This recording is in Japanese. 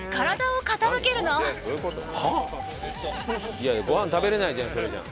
いやいやご飯食べれないじゃんそれじゃあ。